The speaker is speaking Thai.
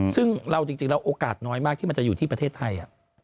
ซึ่งเราจริงแล้วโอกาสน้อยมากที่มันจะอยู่ที่ประเทศไทย